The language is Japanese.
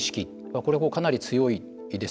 これもかなり強いです。